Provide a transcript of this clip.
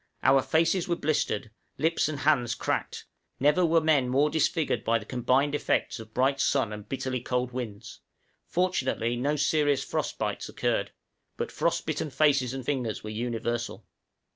Our faces were blistered, lips and hands cracked, never were men more disfigured by the combined effects of bright sun and bitterly cold winds; fortunately no serious frost bites occurred, but frost bitten faces and fingers were universal.